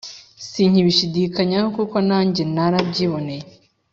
Sinkibishidikanyaho kuko nanjye nara byiboneye